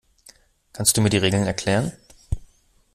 Kannst du mir die Regeln erklären?